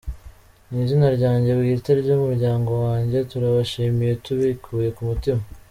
Mu izina ryanjye bwite n’umuryango wanjye, turabashimiye tubikuye ku mutima.